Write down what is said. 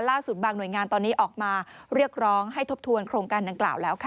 บางหน่วยงานตอนนี้ออกมาเรียกร้องให้ทบทวนโครงการดังกล่าวแล้วค่ะ